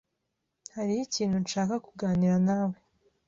Hariho ikintu nshaka kuganira nawe.